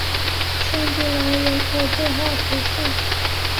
圣蒂兰人口变化图示